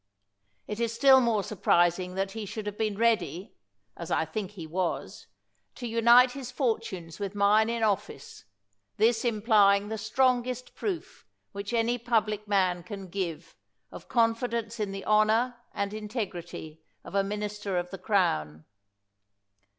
It is still more surprising that he should have been ready — as I think he was — to unite his fortunes with mine in office, this implying the strongest proof which any public man can give of confidence in the honor and integrity of a minister of the Crown.